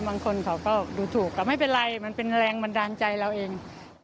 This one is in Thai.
บางคนเขาก็ดูถูกก็ไม่เป็นไรมันเป็นแรงบันดาลใจเราเอง